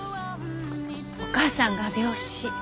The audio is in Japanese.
お母さんが病死。